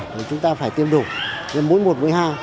thì chúng ta phải tiêm đủ mũi một mũi hai